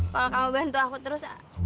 kalau kamu bantu aku terus